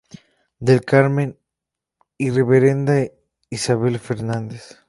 Del Carmen y Reverenda Isabel Fernández.